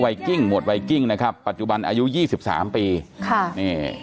กิ้งหมวดไวกิ้งนะครับปัจจุบันอายุยี่สิบสามปีค่ะนี่